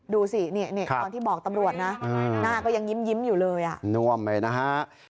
ดูสิเนี้ยเนี้ยตอนที่บอกตำรวจนะหน้าก็ยังยิ้มยิ้มอยู่เลยอ่ะ